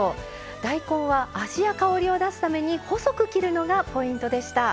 大根は味や香りを出すために細く切るのがポイントでした。